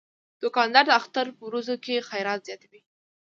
دوکاندار د اختر ورځو کې خیرات زیاتوي.